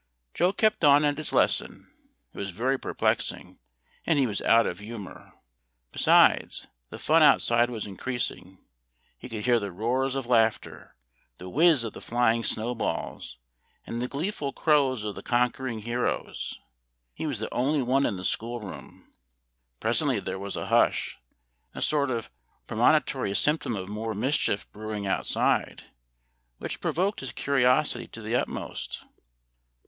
Joe kept on at his lesson; it was very perplexing, and he was out of humor. Besides, the fun outside was increasing; he could hear the roars of laughter, the whiz of the flying snow balls, and the gleeful crows of the conquering heroes. He was the only one in the school room. Presently there was a hush, a sort of premonitory symptom of more mischief brewing outside, which provoked his curiosity to the utmost.